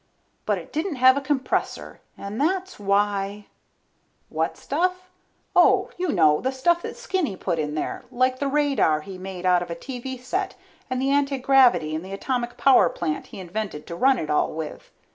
But it didn't have a compressor and that's why ... What stuff? Oh, you know, the stuff that Skinny put in there. Like the radar he made out of a TV set and the antigravity and the atomic power plant he invented to run it all with.